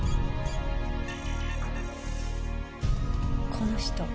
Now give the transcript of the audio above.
この人。